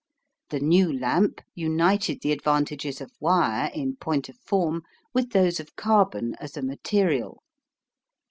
The new lamp united the advantages of wire in point of form with those of carbon as a material.